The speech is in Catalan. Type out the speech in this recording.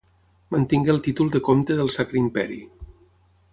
Mantingué el títol de comte del sacre imperi.